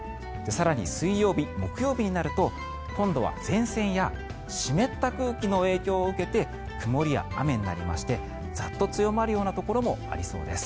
更に水曜日、木曜日になると今度は前線や湿った空気の影響を受けて曇りや雨になりましてザッと強まるところもありそうです。